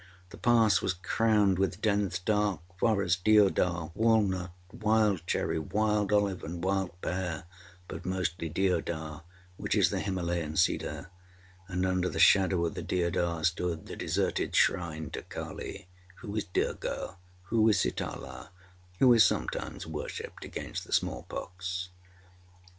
The pass was crowned with dense, dark forest deodar, walnut, wild cherry, wild olive, and wild pear, but mostly deodar, which is the Himalayan cedar; and under the shadow of the deodars stood a deserted shrine to Kali who is Durga, who is Sitala, who is sometimes worshipped against the smallpox.